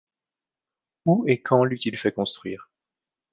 Où et quand l’eut-il fait construire